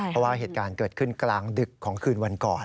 เพราะว่าเหตุการณ์เกิดขึ้นกลางดึกของคืนวันก่อน